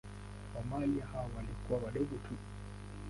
Mamalia hao walikuwa wadogo tu.